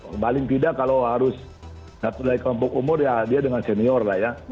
kembali tidak kalau harus satu dari kelompok umur ya dia dengan senior lah ya